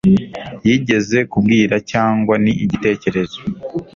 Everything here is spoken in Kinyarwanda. Yigeze kubwira cyangwa ni igitekerezo